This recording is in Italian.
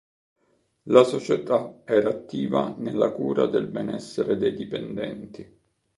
La società era attiva nella cura del benessere dei dipendenti.